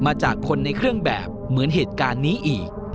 มาจากคนในเครื่องแบบเหมือนเหตุการณ์นี้อีก